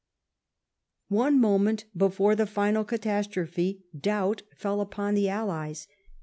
One moment before the final catastrophe doubt fell upon the Allies.